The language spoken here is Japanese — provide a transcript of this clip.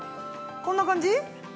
こんな感じ？